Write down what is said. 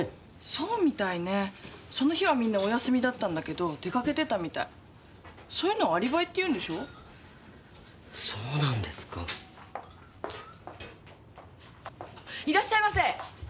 そうみたいねその日はみんなお休みだったんだけど出かけてたみたいそういうのをアリバイっていうんでしょそうなんですかいらっしゃいませ！